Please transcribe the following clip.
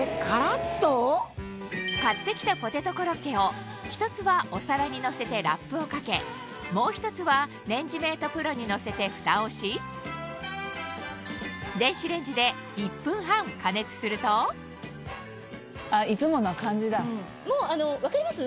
買ってきたポテトコロッケを１つはお皿にのせてラップをかけもう１つはレンジメートプロにのせてフタをしもう分かります？